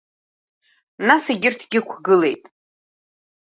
Нас егьырҭгьы ықәгылеит.